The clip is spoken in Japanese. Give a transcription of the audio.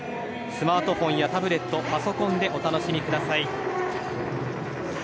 スマートフォンやタブレットパソコンでお楽しみください。